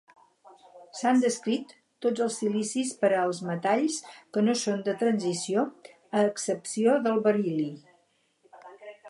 S'han descrit tots els silicis per a els metalls que no són de transició, a excepció del beril·li.